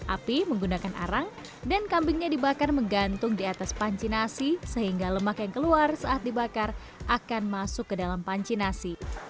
api menggunakan arang dan kambingnya dibakar menggantung di atas panci nasi sehingga lemak yang keluar saat dibakar akan masuk ke dalam panci nasi